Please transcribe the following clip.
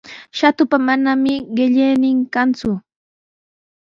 Shatupa manami qillaynin kanku.